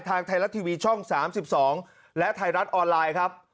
ทางไทยรัฐทีวีช่อง๓๒และไทยรัฐออนไลน์ครับ